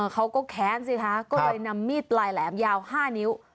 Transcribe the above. เขาก็แค้นสิคะก็เลยนำมีดปลายแหลมยาว๕นิ้ว